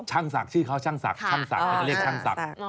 ศักดิ์ชื่อเขาช่างศักดิ์ช่างศักดิ์เขาจะเรียกช่างศักดิ์